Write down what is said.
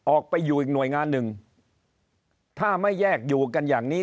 ออกไปอยู่อีกหน่วยงานหนึ่งถ้าไม่แยกอยู่กันอย่างนี้